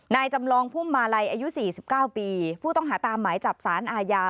จำลองพุ่มมาลัยอายุ๔๙ปีผู้ต้องหาตามหมายจับสารอาญา